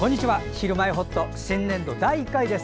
「ひるまえほっと」新年度の第１回です。